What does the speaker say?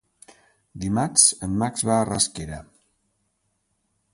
Dimarts en Max va a Rasquera.